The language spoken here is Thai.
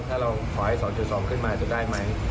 ถ้าเราขอให้๒๒ขึ้นมาจะได้ไหม